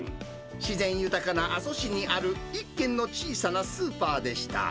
自然豊かな阿蘇市にある一軒の小さなスーパーでした。